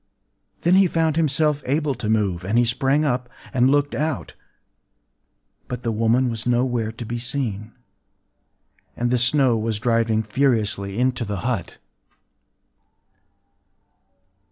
Then he found himself able to move; and he sprang up, and looked out. But the woman was nowhere to be seen; and the snow was driving furiously into the hut.